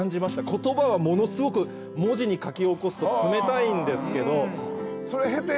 言葉はものすごく文字に書き起こすと冷たいんですけど。